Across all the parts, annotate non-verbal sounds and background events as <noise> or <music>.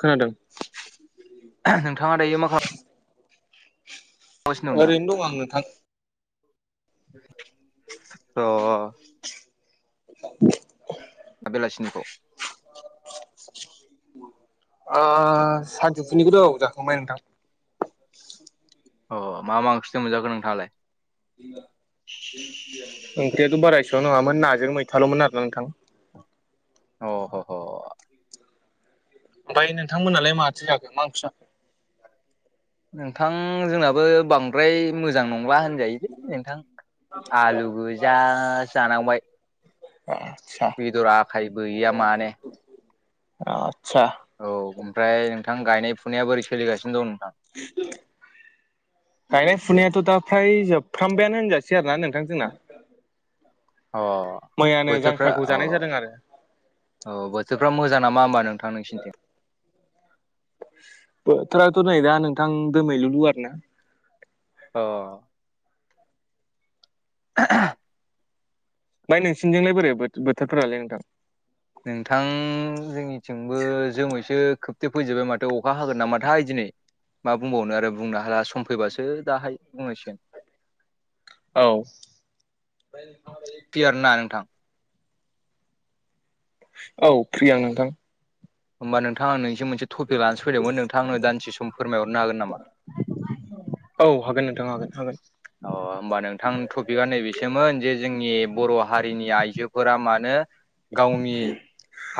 खोनादों आह नोंथाङा दायो मा खालाम। ओरैनो दं आं नोंथां अ अ अ। <inaudible> दा बेलासिनिखौ ओ सानजौफुनिखौथ' औ जाखांबाय नोंथां। अ मा- मा ओंख्रिजों मोनजागोन नोंथाङालाय? ओंख्रियाथ' बारा एसेबां नङामोन नाजों मैथाल'मोन आरोना नोंथां। अ ह ह। ओमफाय नोंथांमोनालाय माथो जाखो मा ओंख्रि जाखो? नोंथां जोंनाबो बां ओमफ्राय मोजां नंला होनजायो दे नोंथां आलु गोजा जानांबाय। आदसा बेदर आखाय गैया माने। आतसा। औ ओमफ्राय नोंथां गायनाय फुनाया बोरै सोलिगासिनो दं नोंथां? गायनाय फुनायाथ' दा फ्राय जोबफ्रामबायानो होनजासै आरो ना नोंथांजोंना। अ मैयानो बोथोरफ्रा जांख्राखौ अ। जानाय जादों आरो औ बोथोरफ्रा मोजां नामा होमबा नोंथां नोंसिनिथिं? बोथोराथ' नै दा नोंथां दोमैलु लु आरो ना। अ। <unintelligible> ओमफाय नोंसिनिथिंलाय बोरै बो-बोथोरफोरालाय नोंथां? नोंथां जोंनिथिंबो जोमैसो खोबथे फैजोब्बाय माथो अखा हागोन नामाथाय दिनै! मा बुंबावनो आरो बुंनो हाला सम फैबासो दाहाय बुंनांसिगोन। औ क्लियार ना नोंथां औ फ्रि आं नोंथां। होमबा नोंथां आं नोंनिसिम मोनसे टपिक लानासो फैदोंमोन नोंथां आंनो दानदिसे सम फोरमाय हरनो हागोन नामा? औ हागोन नोंथां हागोन हागोन। अ होमबा नोंथां टपिकआ नैबेसोमोन जे जोंनि बर' हारिनि आइजोफोरा मानो गावनि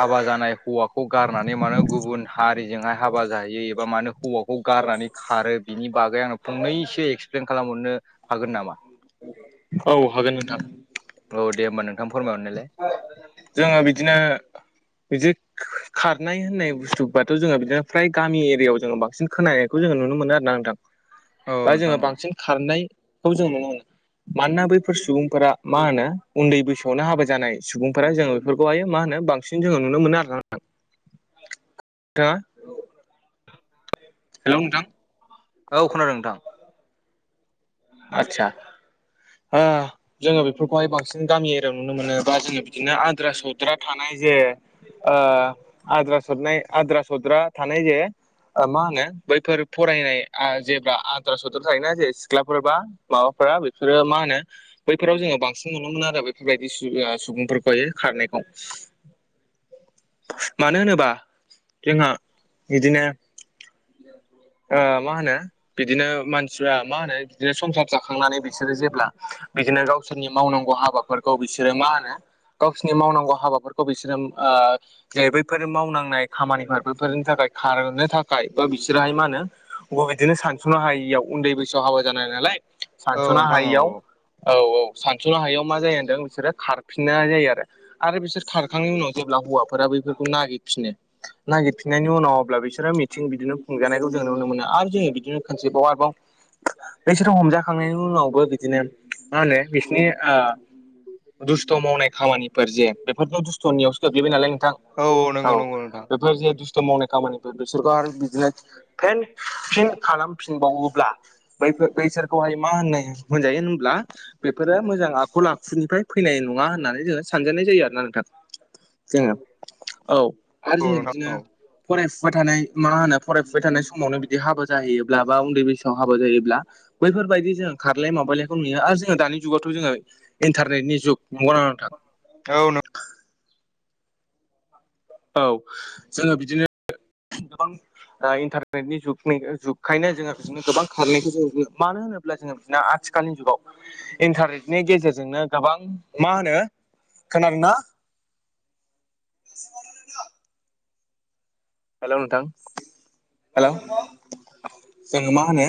हाबा जानाय हौवाखौ गारनानै मानो गुबुन हारिजोंहाय हाबा जाहैयो एबा मानो हौवाखौ गारनानै खारो बिनि बागै आंनो फंनैसो एक्सप्लेन खालामहरनो हागोन नामा? औ हागोन नोंथां औ दे होमबा नोंथां फोरमायहरनायलाय। जोङो बिदिनो बिदि खारनाय होननाय बुस्थुबाथ' जोङो बिदिनो फ्राय गामि एरियायाव जोङो बांसिन खोनानायखौ जोङो नुनो मोनो आरो नोंथां। <unintelligible> बा जोङो औ बांसिन। खारनायखौ जों नुनो मोनो मानोना बैफोर सुबुंफोरा मा होनो उन्दै बैसो हाबा जानाय सुबुंफोरा जोङो बेफोरखौहाय मा होनो बांसिन जोङो नुनो मोनो आरोना नोंथां। <unintelligible> हेल' नोंथां। औ खोनादों नोंथां। आतसा। जोङो बेफोरखौहाय बांसिन गामि एरियाव नुनो मोनो बा जोङो बिदिनो आद्रा सौद्रा थानाय जे आद्रा सरनाय आद्रा -सद्रा थानाय जे मा होनो बैफोर फरायनाय जेब्ला आद्रा सद्रा थायोना जे सिख्ला फोरबा माबाफोरा बेफोरो मा होनो बैफोराव जोङो बांसिन नुनो मोनो आरो बेफोरबायदि सुबुंफोरखौहायो खारनायखौ मानो होनोबा जोंहा बिदिनो मा होनो बिदिनो मानसिफ्रा मा होनो बिदिनो संसार जाखांनानै बिसोरो जेब्ला बिदिनो गावसोरनि मावनांगौ हाबाफोरखौ बिसोरो मा होनो गावसोरनि मावनांगौ हाबाफोरखौ बिसोरो जे बैफोर मावनांनाय खामानिफोर बेफोरनि थाखाय खारनो थाखाय बा बिसोरहाय मा होनो अबा बिदिनो सानस'नो हायियाव उन्दै बैसोआव हाबा जानाय नालाय औ सानस'नो नोंथां औ हायियाव औ औ सानस'नो हायियाव मा जायो होनदों बिसोरो खारफिननाय जायो आरो। आरो बिसोर खारखांनायनि उनाव जेब्ला हौवाफोरा बैफोरखौ नागिरफिनो। नागिरफिननायनि उनाव अब्ला बिसोरो मिथिं बिदिनो खुंजानायखौ जों नुनो मोनो आरो जोंङो बिदिनो खनसेबाव आरोबाव। बैसोर हमजाखांनायनि उनावबो बिदिनो। मा होनो बिसिनि दुस्थ' मावनाय खामानिफोर जे बेफोरनो द'श सननियावसो गोग्लैबाय नालाय नोंथां। औ औ नंगौ नंगौ नोंथां। बेफोर जे दुस्थ' मावनाय खामानिफोर बिसोरखौ आरो बिदिनो। फेन फिन खालामफिनबावोब्ला। बैसोरखौहाय मा होननाय होनजायो होनब्ला बेफोरो मोजां आखल आखुनिफ्राय फैनाय नङा होननानै जोंङो सानजानाय जायो आरोना नोंथां। जोंङो औ। आरो औ जोंङो बिदिनो नोंथां औ फरायफुबाय थानाय मा होनो फरायफुबाय थानाय समावनो बिदि बे हाबा जाहैयोब्ला बा उन्दै बैसोआव हाबा जायोब्ला बैफोरबायदि जों खारलाय माबायलायखौ नुयो आरो जोंङो दानि जुगावथ' जोङो इन्टारनेटनि जुग नंगौना नंङा नोंथां? औ औ जोंङो बिदिनो। गोबां इन्टारनेटनि जुगखायनो जोंहा बिदिनो गोबां खारनायखौ जों मानो होनोब्ला ब्ला जोंङो आथिखालनि जुगाव इन्टारनेटनि गेजेरजोंनो गोबां मा होनो खोनादोंना? हेलौ नोंथां हेल' जोऔङो मा होनो।